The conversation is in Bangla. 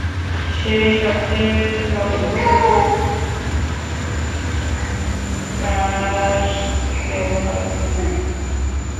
সে সবচেয়ে জঘন্যতম কার্স ব্যবহারকারী।